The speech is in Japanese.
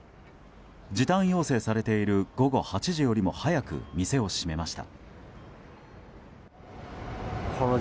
時短要請されている午後８時よりも早く店を閉めました。